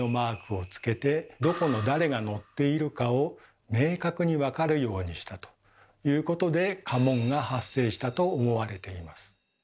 どこの誰が乗っているかを明確にわかるようにしたということで家紋が発生したと思われています。